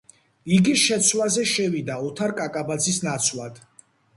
იგი შეცვლაზე შევიდა ოთარ კაკაბაძის ნაცვლად.